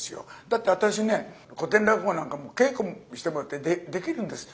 だって私ね古典落語なんかも稽古してもらってできるんです。